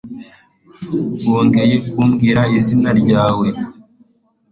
Wongeye kumbwira izina ryawe